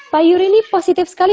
pak yuri ini positif sekali